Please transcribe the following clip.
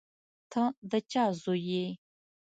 ته د چا زوی یې؟